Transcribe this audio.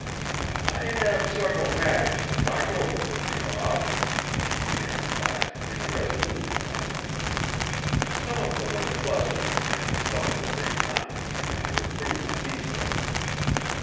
"I have several matters to talk over with you, Bob," he began at last in a resolute tone. "Some of them are pleasant and some of them may not, I fear, prove to be so.